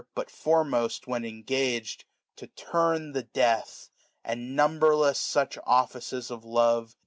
But foremost when engaged) to turn the death ; 535 And numberless such offices of love.